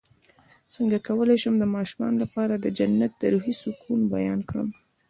څنګه کولی شم د ماشومانو لپاره د جنت د روحي سکون بیان کړم